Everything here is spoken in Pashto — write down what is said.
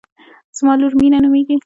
زما لور مینه نومیږي